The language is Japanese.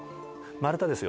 丸太ですよ。